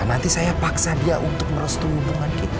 nanti saya paksa dia untuk merestui hubungan kita